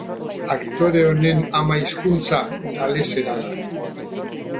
Aktore honen ama hizkuntza galesera da.